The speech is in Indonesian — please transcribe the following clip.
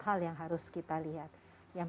hal yang harus kita lihat yang